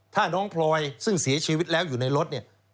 ถ้าน้องพลอยซึ่งเสียชีวิตแล้วอยู่ในรถเนี่ย